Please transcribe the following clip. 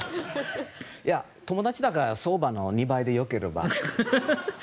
友達だから相場の２倍でよければ。